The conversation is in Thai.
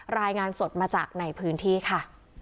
รายงานสดมาจากในพื้นที่ค่ะ